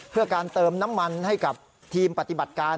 เพื่อการเติมน้ำมันให้กับทีมปฏิบัติการ